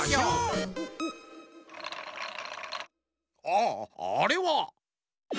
ああれは。